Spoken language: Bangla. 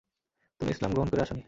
তুমি ইসলাম গ্রহণ করে আসনি।